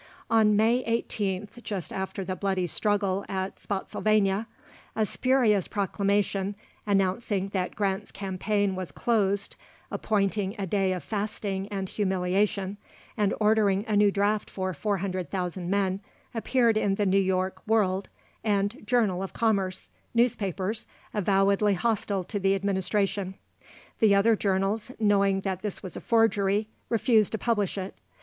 "On May 18th, just after the bloody struggle at Spottsylvania, a spurious proclamation, announcing that Grant's campaign was closed, appointing a day of fasting and humiliation, and ordering a new draft for 400,000 men, appeared in the New York 'World' and 'Journal of Commerce,' newspapers avowedly hostile to the Administration. The other journals, knowing that this was a forgery, refused to publish it.